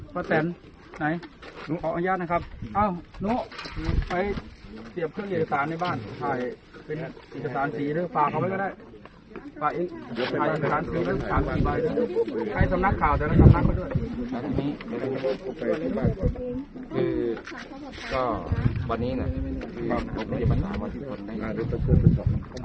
คือก็วันนี้นะมันไหลมากับน้ำครับ